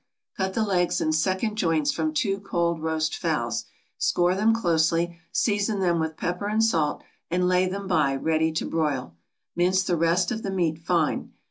= Cut the legs and second joints from two cold roast fowls; score them closely, season them with pepper and salt, and lay them by, ready to broil. Mince the rest of the meat fine.